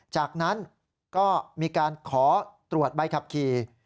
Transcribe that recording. จากนั้นก็มีการขอตรวจใบขับขี่